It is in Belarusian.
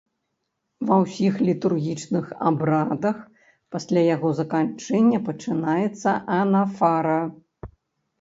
Ва ўсіх літургічных абрадах пасля яго заканчэння пачынаецца анафара.